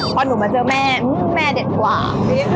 พอหนูมาเจอแม่แม่เด็ดกว่า